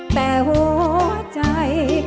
แต่หัวใจ